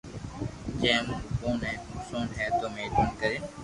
جي مون اپو ني نقسون ھي تو مھربوبي ڪرين